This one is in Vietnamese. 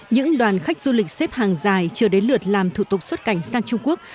những đoàn khách du lịch xếp hàng dài chưa đến lượt làm thủ tục xuất cảnh sang trung quốc